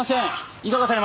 いかがされました？